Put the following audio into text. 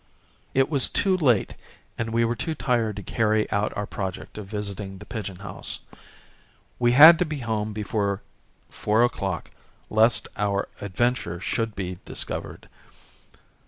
It was too late and we were too tired to carry out our project of visiting the Pigeon House. We had to be home before four o'clock lest our adventure should be discovered.